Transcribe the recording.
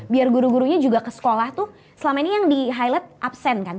biar guru gurunya juga ke sekolah tuh selama ini yang di highlight absen kan